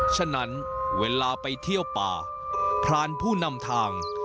ฉะนั้นเวลาไปเที่ยวป่าพรานผู้นำทาง